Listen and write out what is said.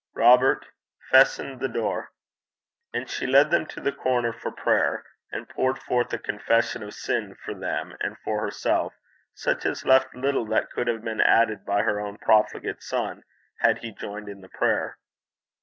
Robert, festen the door.' And she led them to the corner for prayer, and poured forth a confession of sin for them and for herself, such as left little that could have been added by her own profligate son, had he joined in the prayer.